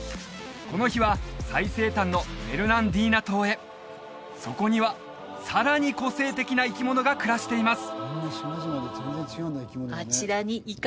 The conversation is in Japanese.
この日は最西端のフェルナンディーナ島へそこにはさらに個性的な生き物が暮らしています